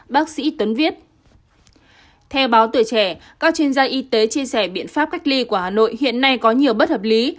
bác sĩ tuấn viết các chuyên gia y tế chia sẻ biện pháp cách ly của hà nội hiện nay có nhiều bất hợp lý